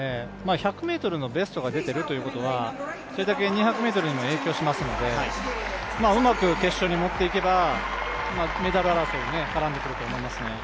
１００ｍのベストが出ているということはそれだけ２００ｍにも影響しますのでうまく決勝に持っていけば、メダル争いに絡んでくると思いますね。